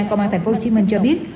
công an thành phố hồ chí minh cho biết